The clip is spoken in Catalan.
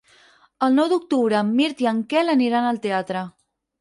El nou d'octubre en Mirt i en Quel aniran al teatre.